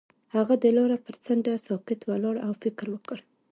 هغه د لاره پر څنډه ساکت ولاړ او فکر وکړ.